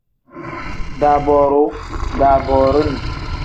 Daabooruu pl: daaboorini n.